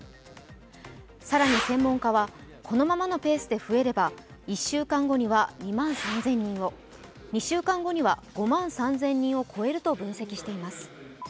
更に専門家は、このままのペースで増えれば１週間後には２万３０００人を、２週間後には５万３０００人を超えると分析しています。